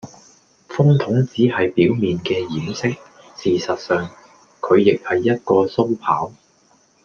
風筒只係表面嘅掩飾，事實上，佢亦係一個鬚刨